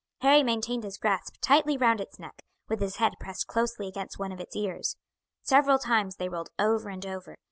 Harry maintained his grasp tightly round its neck, with his head pressed closely against one of its ears. Several times they rolled over and over.